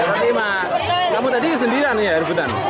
kamu tadi sendirian ya rebutan